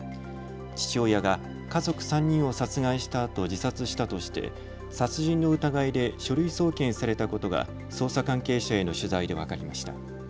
父親が家族３人を殺害したあと自殺したとして殺人の疑いで書類送検されたことが捜査関係者への取材で分かりました。